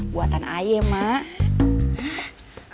buatan ayem mak